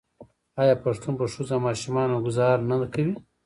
آیا پښتون په ښځو او ماشومانو ګذار نه کوي؟